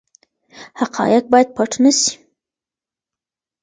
حقایق باید پټ نه سي.